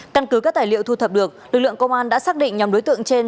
căn cứ các tài liệu thu thập được lực lượng công an đã xác định nhóm đối tượng trên